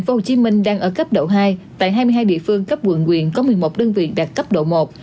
tp hcm đang ở cấp độ hai tại hai mươi hai địa phương cấp quận quyện có một mươi một đơn vị đạt cấp độ một